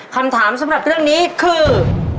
คำถามสำหรับเรื่องนี้คือ